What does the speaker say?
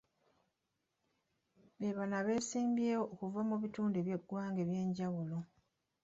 Be bano abeesimbyewo okuva mu bintu by'eggwanga eby'enjawulo.